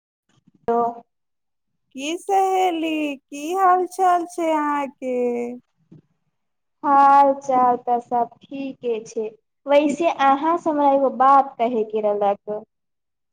[unintelligible] की सहेली की हाल चाल छै अहाँके हाल चाल तऽ सब ठीके छै वैसे अहाँ हमरा एगो बात कहेके रहलक ह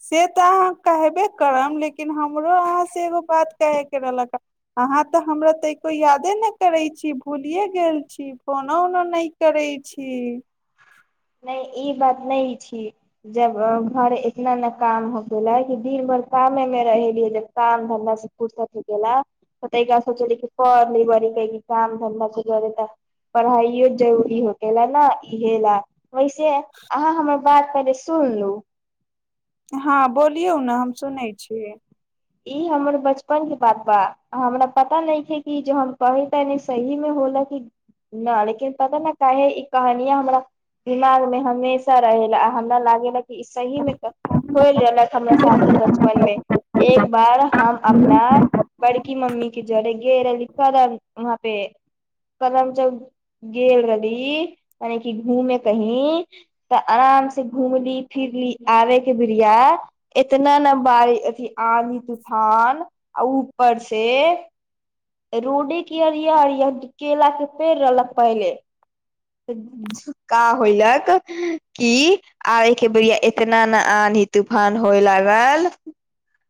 से तऽ अहाँ कहबे करब लेकिन हमरो अहाँ सँ एगो बात कहै के रहलक ह अहाँ तऽ हमरा तऽ एको यादे नहि करै छी भूलिए गेल छी फोनो उनो नहि करै छी नइ ई बात नइ छी जब घर इतना ने काम हो गेलै कि दिन भर कामे मे रहेलीजन काम धंधा से फुर्सत हो गेला तैय के बाद सोचली पढ़ली बरी काम धन्धा से कर त पढ़ाइयो जरूरी होखेला न इहे ला वैसे अहाँ हमर बात पहले सुन लु हँ बोलियौ न हम सुनै छियै ई हमर बचपने के बात बा हमरा पता नइखे कि जे हम कही ते सहीमे होलक ना लेकिन पता ने काहे ई कहानियााँ हमरा दिमागमे हमेशा रहै ला आ हमरा लागेला कि सहीमे होल रहला हमरा साथे बचपनमे एक बार हम अपना बड़की मम्मी के जड़े गेल रहली कलम वहा पे करदम जौ गेल रहली मने कि घूमे कही तऽ आराम से घूमली फिरली आबे के भरिया एतना ने बारी अथ आँधी तूफान आ ऊपर से रोडे के अरिया अरिया केला के पेड़ रहलक पहिले झुका होयलक कि आबे के बेरिया इतना न आँधी तूफान होए लागल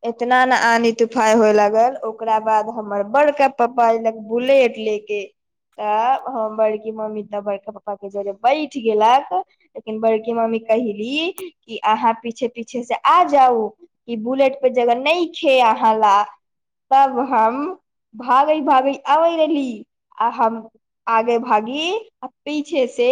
एतना न आँधी तूफान होए लागल ओकरा बाद हमर बड़का पापा अयलक बुलेट ले के तऽ हम बड़की ममी तऽ बड़का पापा के जरे बैठ गेलक लेकिन बड़की ममी कहली कि अहाँ पीछे पीछे से आ जाउ कि बुलेट पे जग नहिखे अहाँ ला तब हम भागै भागै आबै रहली आ हम आगे भागी आ पीछे से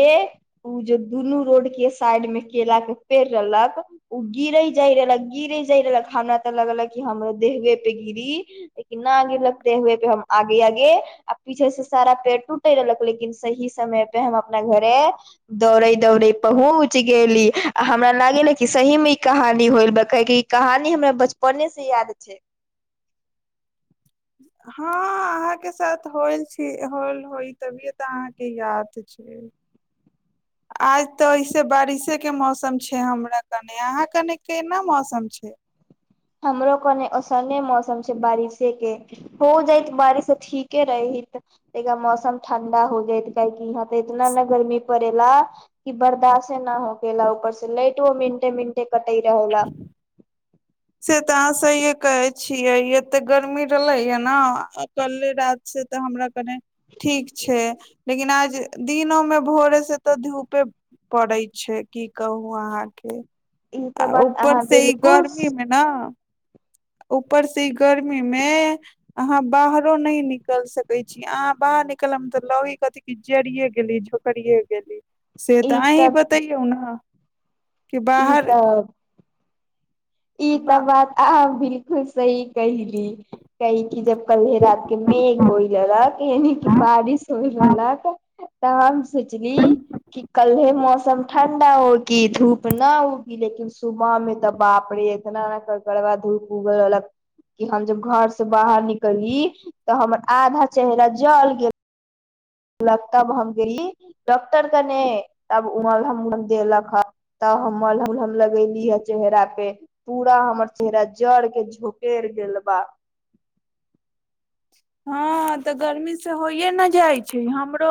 उ जो दुनू रोड के साइड मे केला के पेड़ रहलक ओ गिरे जाय रहलक गिरे जाय रहलक हमरा तऽ लगलक हमर देहबे पे गिरी लेकिन न गिरलक े हुए पे हम आगे आगे आ पीछे से सारा पेड़ टूटे रहलक लेकिन सही समय पे हम अपना घरे दौड़े दौड़े पहुँच गेली आ हमरा लागे कि सही मे ई कहानी होल कके ई कहानी हमरा बचपने से याद छै हँ अहाँके साथ होल छी होल होइ तभिए तऽ अहाँके याद छै आज तऽ ऐसे बारिशे के मौसम छै हमरा कने अहााँ कने केना मौसम छै हमरो कोने औसने मौसम छै बारिशे के हो जायत बारिश ठीके रहत त मौसम ठंडा हो जाइत काहेकि यह इतना ने गर्मी पड़े ला कि बर्दाश्ते न होखे ला ऊपर से लैट वो मिंटे मिंटे कट ह रहू ने से तऽ अहाँ सहिे कहे छियै एते गर्मी रहलेय ने कल्े रात से तऽ हमरा कने ठीक छै लेकिन आज दिनो मे भोरे से तऽ धूपे पड़ैत छै की कहू अहाँके ई आ तऽ बात ऊपर अहाँ से ई बिलकुल मे गर्मी स ने ऊपर से ई गर्मी मे अहाँ बाहरो नहि निकल सकै छी अहाँ बाहर निकल मे तऽ लगी कथ क जरििये गेली झोकिे गेली से तऽ अह ही बताैयौ ने कि ई बाहर तऽ ई बा त बात आ बिल्कुल सही कहिली कै की जब कल्हे रात के मेघ होय रहलक यान कि बारिश होय रहलक ताम सोचली कि कलहे मौसम मौसम ठण्डा होगी धूप ना उगी लेकिन सुबह में तऽ बाप ड़े एतना ए कर कर ब धूप उगल रहलक कि हम जब घर से बाहर निकलली तऽ हमर आधा चेहरा जल गेल लक तब हम गेली डॉक्टर कने तबलहम देलक हे तब हम मल हमलहम लगेली हे चेहरा पे पूरा हमर चेहरा जड़ के झोपड़ गेल बा हँ तऽ गर्मी से होइे ने जाइ छै हमरो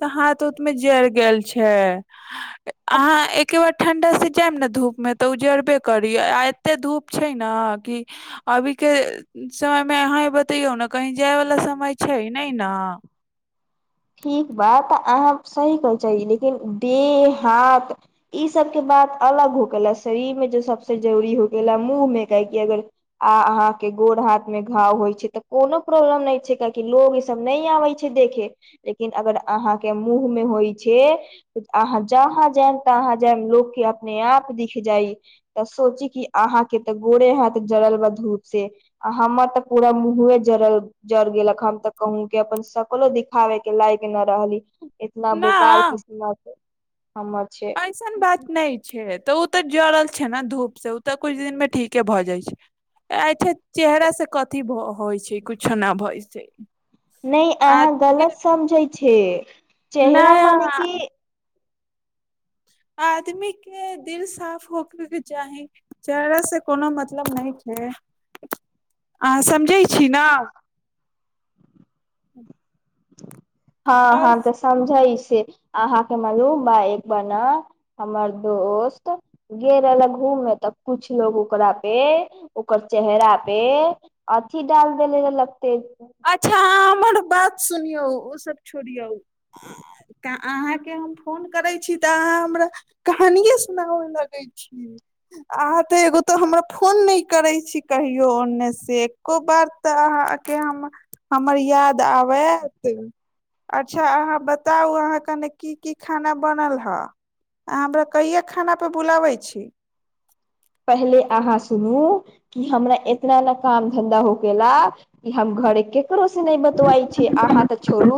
तऽ हाथ उथ मे जड़ गेल छै अहाँ एके बार ठंडा से जायम ने धूप मे तऽ उ जड़बे करी आ एते धूप छै ने कि अभी के समय मे अहाँ बतैयौ ने कहीं जाय वाला समय छै नहि ने ठीक बात अहाँ सही कहै चाही लेकिन देह हाथ ईसभके बात अलग हो गेला शरीरमे जे सभसँ जरूरी हो गेला मुँहमे काहेकि अगर आ अहाँके गोर हाथमे घाव होइ छै तऽ कोनो प्रॉब्लम नहि छै काहेकि लोग ईसभ नहि आबै छै देखे लेकिन अगर अहाँ के मुँह में होइ छै अहाँ जहााँ जायम तहा जायम लोक के अपने आप दिख जाय तऽ सोची क अहा के ते गोरे हत जरल बा धूप से आ हमर तऽ पूरा मुँहे जड़ल जर गेलक हम तऽ कहूं के अपन सकलो दिखाबे के लायक न रहली इतना बेकार न किस्मत हमर छै ऐसन बात नहि छै तऽ ओ तऽ जड़ल छै ने धूप से ओ तऽ कुछ दिन मे ठीके भऽ जाइ छै अच्छा चेहरा से कथी होइ छै कुछो नहि भ छै नहि आ अहाँ गलत समझै छ नहि आदमी के दिल साफ होकेके चाही चेहररा से कोनो मतलब नहि छै अहाँ समझै छी ने हँ हँ तऽ समझइस से अहाँके मालूम बा एक बार न हमर दोस्त गेल रहल घूमे मे तऽ कुछ लोग ओकरा पे ओकर चेहरा पे अथी डाल देले रहलक तेज अच्छा हमर बात सुनियौ ओ सब छोड़ियौ अहाके हम फोन करे छी ते अहा हमरा कहानिये सुनाव लगे छी अहाँ ते एगो तो हमरा फोन नहि करे छी कहियो ओन्ने से एको बार तऽ अहाके हम हमर याद आबत अच्छा अहाँ बताउ अहाँ कनि की की खाना बनल हे अहाँ हमरा कहिे खानाापे बुलाबै छी पहिले अहाँ सुनू कि हमरा इतना ने काम धन्धा हो गेलेला कि हम घरे के ककरो से नहि बतवइ छै अहाँ तऽ छोड़ू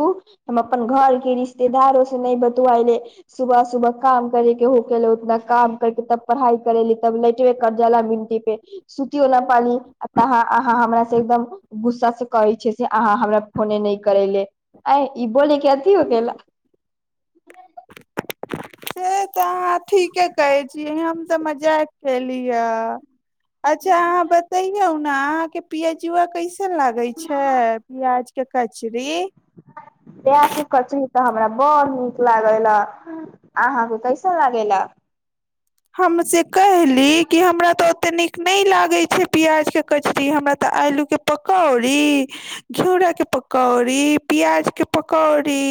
हम अपन घर के रिश्तेदारो से नहि बतवाले सुबह सुबह काम करे के होके ले उतना काम करके तब पढ़ाई कर ल लेटेे कजा मिंटी पे सुतोला पानी तहा अहाँ हमरा से एकदम गुस्सा से कहै छै से अहाँ हमरा फोने नहि करे ले आ ई बोलेके अथी हो गेला ह से तऽ अहाँ ठीके कहै छीयै हम तऽ मजाक खेली है अच्छा अहाँ बतेय न के पिियााजआ कैस कस लागे छै प्याज देखा छ तस करच तऽ ह हमरा बड़ू लागे ला अहाँके कैसा लागे ला हम से कहली कि हमरा तऽ ओते नीक नहि लागे छै प्याज के कचरी हमरा तऽ आलू के पकौड़ी घिउरा के पकौड़ी प्याज के पकौड़ी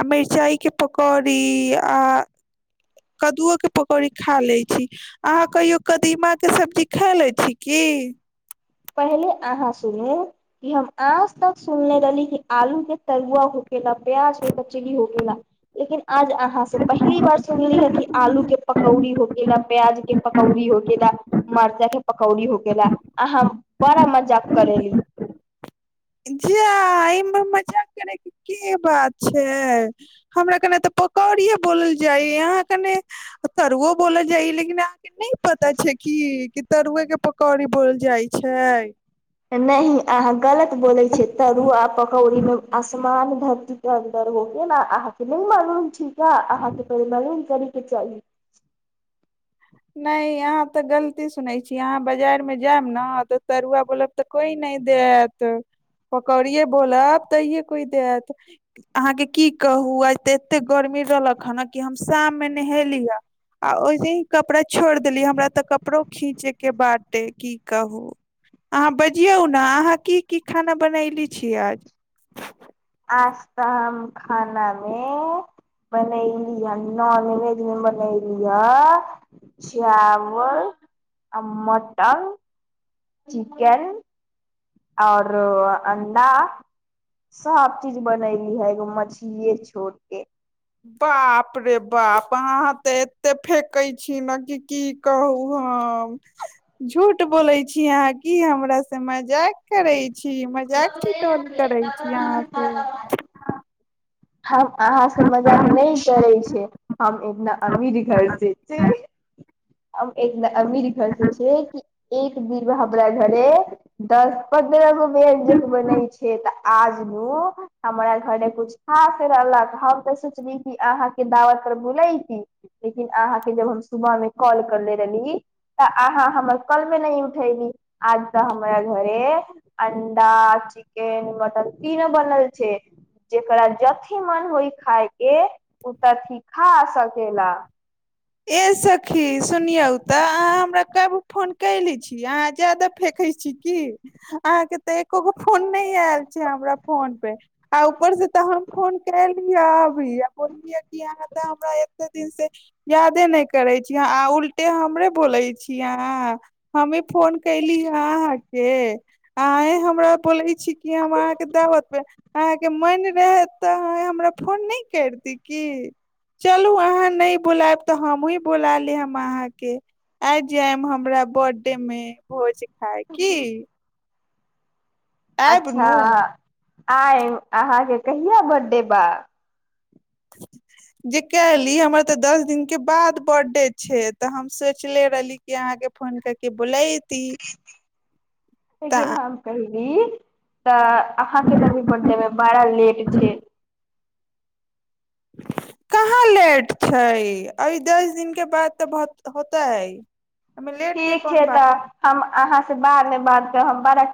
आ मिर्चाई के पकौड़ी आ कद्दूओ के पकौड़ी खा ले छी अहाँ कहियो कदीमा के सब्जी खाय ले छी की पहले अहाँ सुनू कि हम आज तक सुनने रहली कि आलू के तरुआ हो गेलेला प्याज के कचरीी हो गेलेला लेकिन आज अहाँ से पहली बार सुनली है कि आलू के पकौड़ी हो केेला प्याज के पकौड़ी हो गेलेला मरचा के पकौड़ी हो के ला अहाँ बड़ा मजाक करेली ह एहि मे मजाक करे के के बात छै हमरा कने तऽ पकौड़िे बोलल जाय अहा कने तरुओ बोलल जाय लेकिन अहा के नहि पता छै की कि तरुए के पकौड़ी बोलल जाय छै नहि अहाँ गलत बोलै छियै तरु आ पकौड़ीमे आसमान धरतीेडर हो गेल ने अहाँके नहि मालूम छी क अहाँके परिम करी कि चाली नहि अहाँ तऽ गलती सुनैत छीिय अहाँ बाजारमे जायब ने तऽ तरुआ बोलब तऽ कोई नहि देत पकौड़िे बोलब तहिे कोइ देत अहाँके की कहू आ त एते गर्मी रहलक हन कि हम शाममे नहेली हे आ ओहिसे ही कपड़ा छोड़ देलियै हमरा तऽ कपड़ो खींचे के बटे की कहू अहाँ बजियौ ने अहाँ की की खाना बनली छी आज पास्ता हम खाना मे बनलिय है नॉन वेज मे बनैली ह चावल आ मटन चिकेन आओर अंडा सब चीज बनली है एगो मछलीे छोड़ के बाप रे बाप अहाँ तऽ एते फेकै छी ने कि की कहू हम झूठ बोलै छी अहाँ की हमरा सँ मारि खुयाब मजाक करै छी मजाक छी टोल करै छी यहाँ से हम अहाँ से मजाक नहि करै छै हम एकतना अमीर घर से एक अमीरी खर्स छै कि एक बीरावरा घर दस पन्दर ग के नीक बनाै छि त आज न हमरा घर कुछ खास रहलक हम ते सोचली कि अहाँ के दावत त भुले की लेकिन अहाँ के जब हम सुबह मे कॉल करले रहली तऽ अहाँ हमर कलमे नहि उठली आज तऽ हमरा घरे अंडा चिकेन मटन तीन बनल छै जेकरा जथ ही मन होइ खाायके ओ तथ ही खा सकेला ए सब खी सुनियौ तऽ अहाँ हमरा कहू फोन क ले छी अहाँ जादा फेकै छी की अहाँके तऽ एको गो फोन नहि आयल छै हमरा फोन पे आ ऊपर से तऽ हम फोन कलहिै अभी आ बोललियै कि अहाँ तऽ हमरा दिन से यादे नहि करे छीय आ उल्टे हमरे बोले छीिय अह हमी फोन कयली हन हे अंह हमरा बोलै छी की हम अहाँके दावत पे अहाँके मन रहे तऽ अह हमरा फोन नहि कर द क चलु अहाँ नहि बुलायब तऽ हमहु बुला ले हम अहा के आ जायब हमरा बर्थडे मे भोज है की आयब अच्छा नू आइ अहाँके कहिआा बर्थडे बा जे कहली हमर तऽ दस दिनके बाद बर्थडे छै तऽ हम सोचले रहली कि अहाँके फोन करके बोलैत ती एकरे नाम हे तऽ अहााँके तऽभी बर्थडे मे बड़ा लेट छै [unintelligible] कहाँ लेट छै अभ दस दिन के बाद तऽ बहुत होता है ठीक छै तऽ हम अहाँ बाद मे हम बात कहब